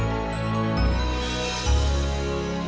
buat apa ya kalau kamu sampe nah